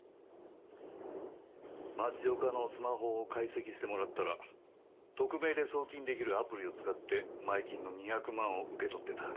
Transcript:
町岡のスマホを解析してもらったら匿名で送金できるアプリを使って前金の２００万を受け取ってた。